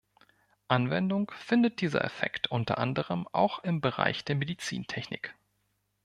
Anwendung findet dieser Effekt unter anderem auch im Bereich der Medizintechnik.